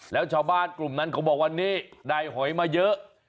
แล้วชาวบ้านกลุ่มนั้นเขาบอกว่านี่ได้หอยมาเยอะ